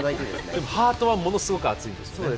でもハートはものすごく熱いんですね。